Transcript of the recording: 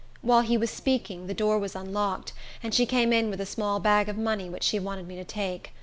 While he was speaking, the door was unlocked, and she came in with a small bag of money, which she wanted me to take.